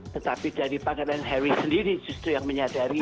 tetapi dari pangeran harry sendiri justru yang menyadari